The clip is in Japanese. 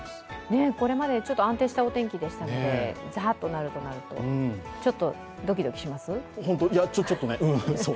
これまでちょっと安定したお天気でしたので、ザッとなると、ちょっとドキドキします？